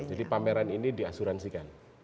betul jadi pameran ini diasuransikan